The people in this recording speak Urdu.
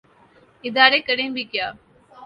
ادارے کریں بھی کیا۔